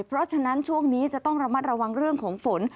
เพราะฉะนั้นช่วงนี้จะต้องระมัดระวังเรื่องของฝน